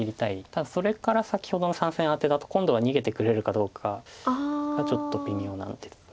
ただそれから先ほどの３線アテだと今度は逃げてくれるかどうかがちょっと微妙なんです。